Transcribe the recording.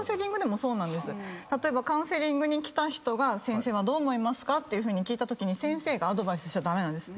例えばカウンセリングに来た人が先生はどう思いますかっていうふうに聞いたときに先生がアドバイスしちゃ駄目なんです。